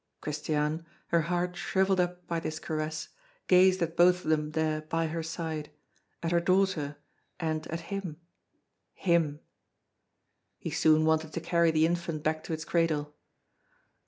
Christiane, her heart shriveled up by this caress, gazed at both of them there by her side, at her daughter and at him him! He soon wanted to carry the infant back to its cradle.